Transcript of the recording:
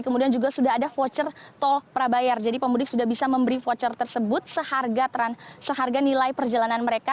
kemudian juga sudah ada voucher tol prabayar jadi pemudik sudah bisa memberi voucher tersebut seharga nilai perjalanan mereka